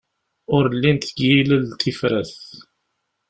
Ur llint deg yilel tifrat.